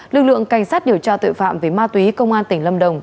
lực lượng cảnh sát điều tra tội phạm về ma túy công an tỉnh lâm đồng